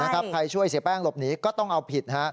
ใครช่วยเสียแป้งหลบหนีก็ต้องเอาผิด